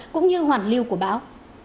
cũng như hoàn lưu của bão